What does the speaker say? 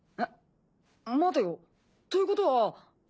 待てよということは。